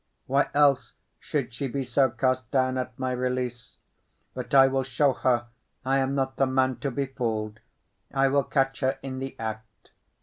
"Why else should she be so cast down at my release? But I will show her I am not the man to be fooled. I will catch her in the act."